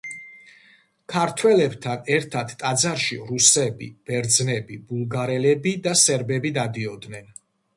ქართველებთან ერთად ტაძარში რუსები, ბერძნები, ბულგარელები და სერბები დადიოდნენ.